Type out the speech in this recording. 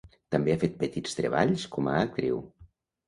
També ha fet petits treballs com a actriu.